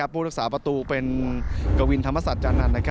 ๔๓๓ผู้รักษาประตูเป็นกวินธรรมศัตริย์อันนันท์